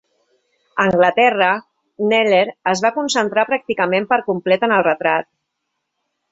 A Anglaterra, Kneller es va concentrar pràcticament per complet en el retrat.